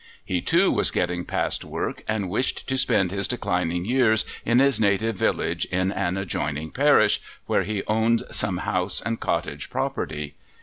He, too, was getting past work and wished to spend his declining years in his native village in an adjoining parish, where he owned some house and cottage property.